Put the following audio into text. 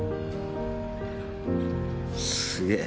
すげえ。